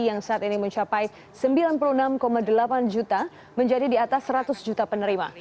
yang saat ini mencapai sembilan puluh enam delapan juta menjadi di atas seratus juta penerima